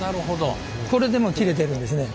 これでもう切れてるんですね。